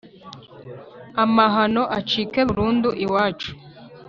Amahano acike burundu iwacu